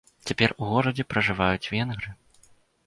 Цяпер у горадзе пражываюць венгры.